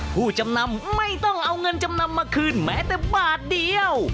ผู้จำนำไม่ต้องเอาเงินจำนำมาคืนแม้แต่บาทเดียว